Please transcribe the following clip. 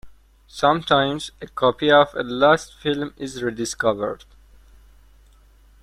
Sometimes, a copy of a lost film is rediscovered.